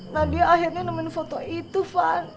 nadia akhirnya nemenin foto itu fany